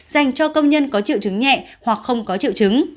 dành cho công nhân có triệu chứng nhẹ hoặc không có triệu chứng